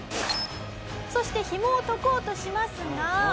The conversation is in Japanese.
そしてひもを解こうとしますが。